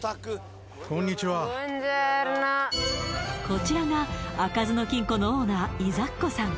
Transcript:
こちらが開かずの金庫のオーナーイザッコさん